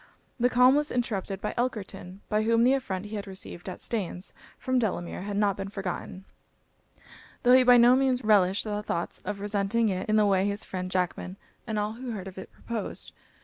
This calm was interrupted by Elkerton, by whom the affront he had received at Staines, from Delamere, had not been forgotten, tho' he by no means relished the thoughts of resenting it in the way his friend Jackman, and all who heard of it, proposed.